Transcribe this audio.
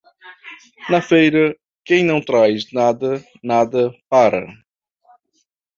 Na feira, quem não traz nada, nada para.